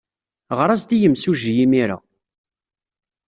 Ɣer-as-d i yemsujji imir-a.